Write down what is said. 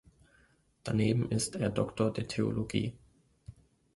Daneben ist er Doktor der Theologie.